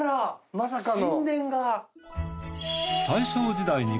まさかの。